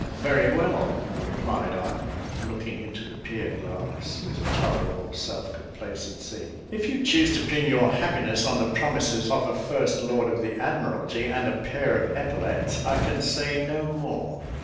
"Very well," replied I, looking into the pier glass, with tolerable self complacency; "if you choose to pin your happiness on the promises of a first lord of the Admiralty, and a pair of epaulettes, I can say no more.